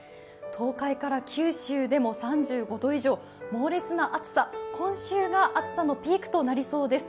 東海から九州でも３５度以上、猛烈な暑さ、今週が暑さのピークとなりそうです。